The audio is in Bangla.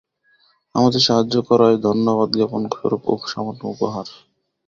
আমাদের সাহায্য করায় ধন্যবাদজ্ঞাপন স্বরূপ সামান্য উপহার।